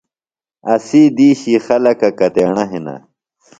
اسی دِیشی خلکہ کتیݨہ ہِنہ؟